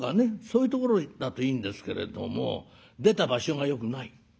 そういうところだといいんですけれども出た場所がよくない。